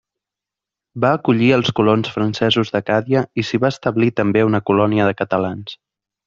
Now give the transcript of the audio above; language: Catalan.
Va acollir els colons francesos d'Acàdia i s'hi va establir també una colònia de catalans.